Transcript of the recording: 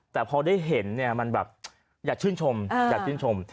แต่พอได้เห็นเนี่ยมันแบบอยากชื่นชมอยากชื่นชม